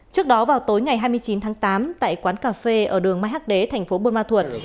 trước đó vào tối ngày hai mươi chín tháng tám tại quán cà phê ở đường mai hắc đế thành phố buôn ma thuột